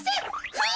フン！